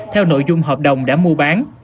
theo nội dung hợp đồng đã mua bán